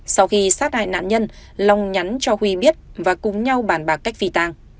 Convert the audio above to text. sau khi sát hại nạn nhân long nhắn cho huy biết và cùng nhau bàn bạc cách phi tàng